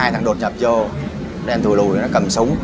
hai thằng đột nhập vô đem thù lùi nó cầm súng